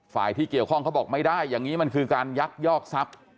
ฝ่ายที่เกี่ยวข้องเขาบอกไม่ได้อย่างนี้มันคือการยักยอกทรัพย์